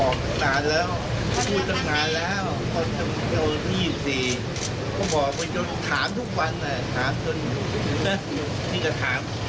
คุณผู้ถามนายจะมารับใกล้ในฐานกลางนี้หรือเปล่า